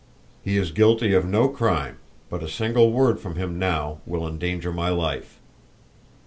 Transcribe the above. He is guilty of no crime, but a single word from him now will endanger my life."